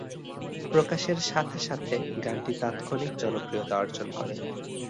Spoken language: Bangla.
প্রকাশের সাথে সাথে গানটি তাৎক্ষণিক জনপ্রিয়তা অর্জন করে।